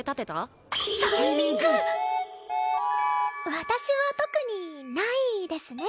私は特にないですね。